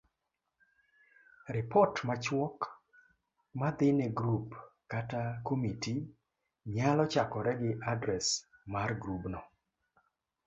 Ripot machuok madhine grup kata komiti nyalo chakore gi adres mar grubno.